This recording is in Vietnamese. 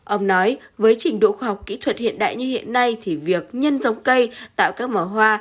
ông nói với trình độ khoa học kỹ thuật hiện đại như hiện nay thì việc nhân giống cây tạo các mỏ hoa